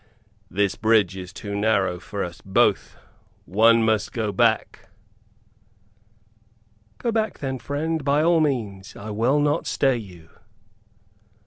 "This bridge is too narrow for us both. One must go back." "Go back then, friend, by all means. I will not stay you."